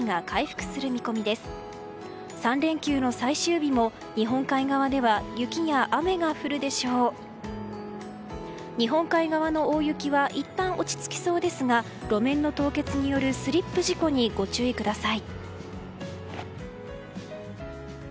日本海側の大雪はいったん落ち着きそうですが路面の凍結によるスリップ事故にご注意ください。